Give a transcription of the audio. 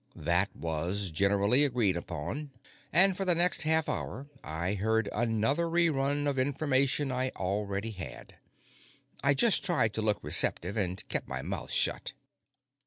That was generally agreed on, and for the next half hour I heard another re run of information I already had. I just tried to look receptive and kept my mouth shut.